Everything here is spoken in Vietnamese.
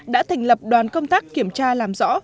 đã thành lập đoàn công tác kiểm tra làm rõ